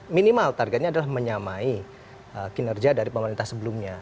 minimal targetnya adalah menyamai kinerja dari pemerintah sebelumnya